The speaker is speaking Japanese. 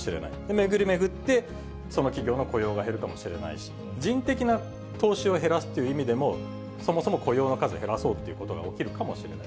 巡り巡って、その企業の雇用が減るかもしれないし、人的な投資を減らすという意味でも、そもそも雇用の数を減らそうっていうことが起きるかもしれない。